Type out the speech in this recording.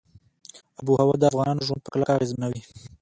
آب وهوا د افغانانو ژوند په کلکه اغېزمنوي.